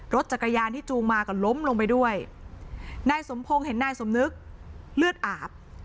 รถจักรยานที่จูงมาก็ล้มลงไปด้วยนายสมพงศ์เห็นนายสมนึกเลือดอาบ